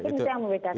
itu yang membedakan ya